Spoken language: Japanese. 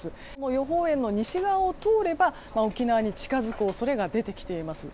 予報円の西側を通れば沖縄に近づく恐れが出てきています。